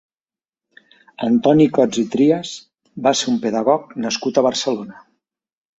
Antoni Cots i Trias va ser un pedagog nascut a Barcelona.